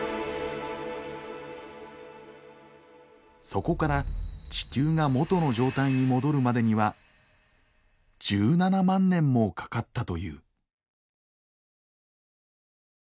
そこから地球が元の状態に戻るまでには１７万年もかかったという。